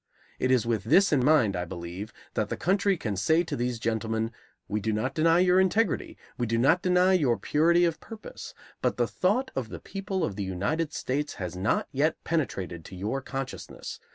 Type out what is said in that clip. It is with this in mind, I believe, that the country can say to these gentlemen: "We do not deny your integrity; we do not deny your purity of purpose; but the thought of the people of the United States has not yet penetrated to your consciousness.